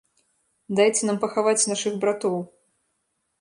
Дайце нам пахаваць нашых братоў!